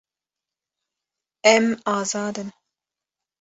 Em azad in.